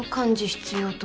必要と？